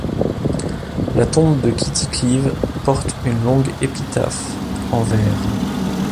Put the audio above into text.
La tombe de Kitty Clive porte une longue épitaphe en vers.